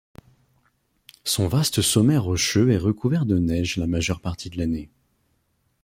Son vaste sommet rocheux est recouvert de neige la majeure partie de l'année.